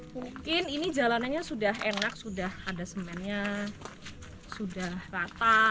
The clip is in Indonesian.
mungkin ini jalanannya sudah enak sudah ada semennya sudah rata